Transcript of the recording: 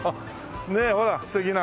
ねえほら素敵な。